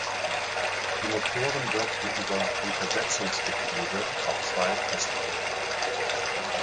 Die Motoren wirkten über Untersetzungsgetriebe auf zwei Festpropeller.